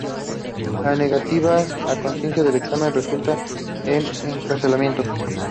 La negativa a consentir al examen resultaba en encarcelamiento.